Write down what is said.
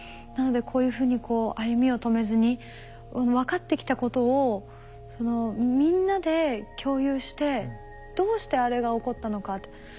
なのでこういうふうにこう歩みを止めずに分かってきたことをみんなで共有してどうしてあれが起こったのかって。